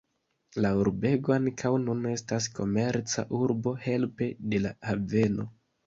La urbego ankaŭ nun estas komerca urbo helpe de la haveno.